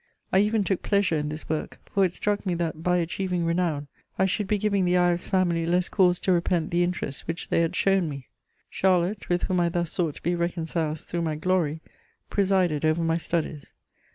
I even took pleasure in this work, for it struck me that, by achieving renown, I should be giving the Ives family less cause to repent the interest which they had shown me. Charlotte, with whom I thus sought to be reconciled through my glory, presided over my studies.